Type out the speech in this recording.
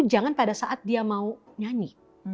jangan pada saat dia mau nyanyi